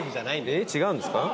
えっ違うんですか。